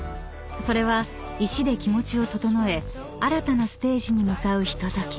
［それは石で気持ちを整え新たなステージに向かうひととき］